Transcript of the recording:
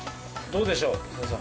どうでしょう？